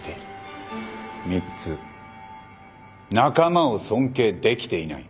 三つ仲間を尊敬できていない。